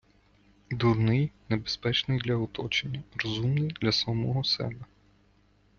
Дурний небезпечний для оточення. Розумний — для самого себе.